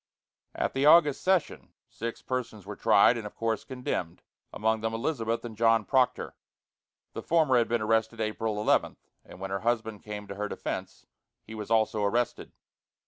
At the August session, six persons were tried and, of course, condemned, among them Elizabeth and John Proctor. The former had been arrested April 11, and when her husband came to her defence, he was also arrested.